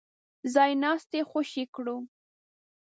ځای ناستي خوشي کړو.